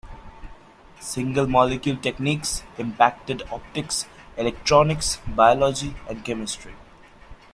Single-molecule techniques impacted optics, electronics, biology, and chemistry.